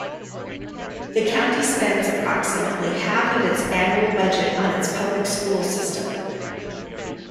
The county spends approximately half of its annual budget on its public school system.